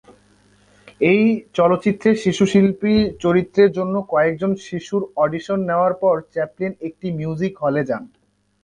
এই চলচ্চিত্রের শিশুশিল্পী চরিত্রের জন্য কয়েকজন শিশুর অডিশন নেওয়ার পর চ্যাপলিন একটি মিউজিক হলে যান।